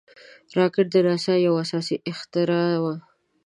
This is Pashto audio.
راکټ د ناسا یو اساسي اختراع وه